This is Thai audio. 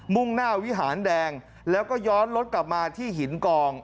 ่งหน้าวิหารแดงแล้วก็ย้อนรถกลับมาที่หินกอง